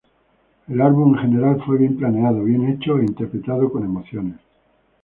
El álbum en general fue bien planeado, bien hecho e interpretado con emociones.